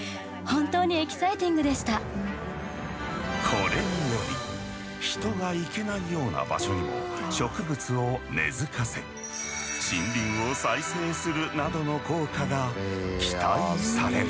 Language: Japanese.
これにより人が行けないような場所にも植物を根付かせ森林を再生するなどの効果が期待される。